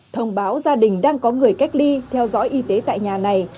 thông báo gia đình đang có người cách ly theo dõi y tế tại nhà này